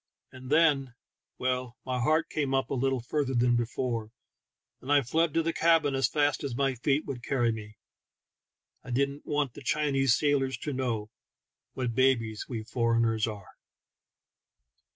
And then — well, my heart came up a little further than before, and I fled to the cabin as fast as my feet would carry me: 1 didn't want the Chinese sail ors to know what babies we foreigners are.